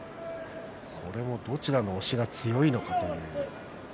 どちらの押しが強いのかという。